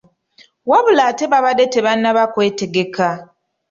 Wabula ate babadde tebannaba kwetegeka.